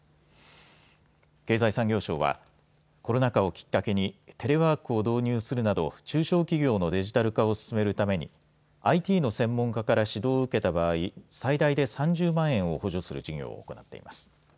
経済産業省はコロナ禍をきっかけにテレワークを導入するなど中小企業のデジタル化を進めるためにＩＴの専門家から指導を受けた場合、最大で３０万円を補助する事業を行っています。